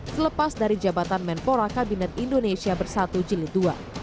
selepas dari jabatan menpora kabinet indonesia bersatu jilid ii